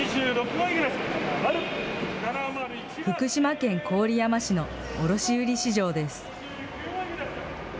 福島県郡山市の卸売り市場です。